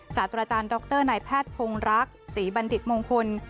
ศาสตราจารย์ดรนายแพทย์พงรักษีบัณฑิตมงคล